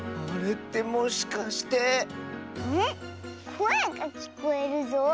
こえがきこえるぞ。